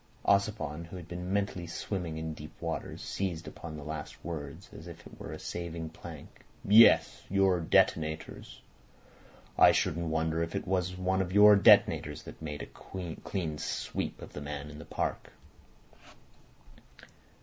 Ossipon, who had been mentally swimming in deep waters, seized upon the last word as if it were a saving plank. "Yes. Your detonators. I shouldn't wonder if it weren't one of your detonators that made a clean sweep of the man in the park."